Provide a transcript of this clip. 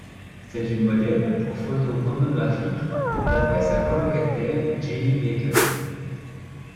C'est une modèle pour photos pornographiques, d'après sa colocataire Jennie Baker.